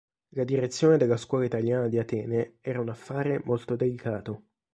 La direzione della Scuola italiana di Atene era un affare molto delicato.